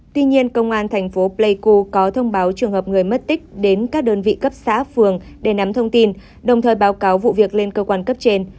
tuy nhiên công an thành phố pleiku có thông báo trường hợp người mất tích đến các đơn vị cấp xã phường để nắm thông tin đồng thời báo cáo vụ việc lên cơ quan cấp trên